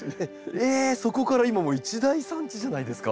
えっそこから今もう一大産地じゃないですか。